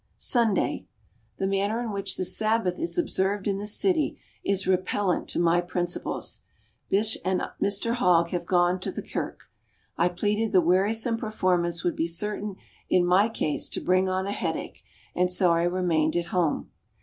Sunday. The manner in which the Sabbath is observed in this city is repellent to my principles. Bysshe and Mr Hogg have gone to the Kirk. I pleaded the wearisome performance would be certain in my case to bring on a headache and so I remained at home.